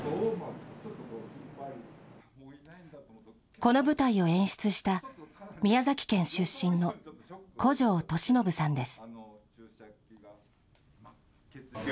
この舞台を演出した宮崎県出身の古城十忍さんです。